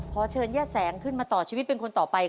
เชิญย่าแสงขึ้นมาต่อชีวิตเป็นคนต่อไป